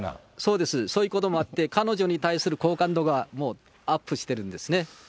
そういうこともあって、彼女に対する好感度がもうアップしてるんですね。